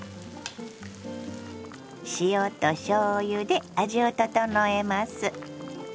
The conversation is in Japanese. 塩としょうゆで味を調えます。